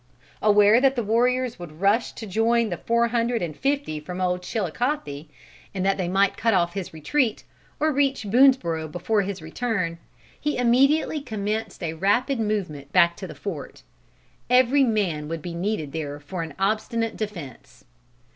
Aware that the warriors would rush to join the four hundred and fifty from Old Chilicothe, and that they might cut off his retreat, or reach Boonesborough before his return, he immediately commenced a rapid movement back to the fort. Every man would be needed there for an obstinate defence.